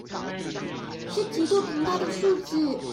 是極度龐大的數字